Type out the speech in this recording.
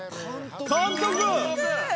監督！